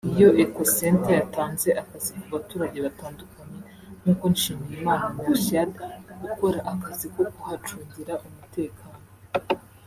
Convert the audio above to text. Iyo Ekocenter yatanze akazi ku baturage batandukanye; nkuko Nshimiyimana Merchiade ukora akazi ko kuhacungira umutekano